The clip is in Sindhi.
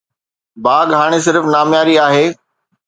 باغ هاڻي صرف نامياري آهي.